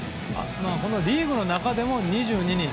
このリーグの中でも２２人。